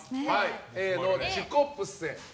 Ａのチュコプセ。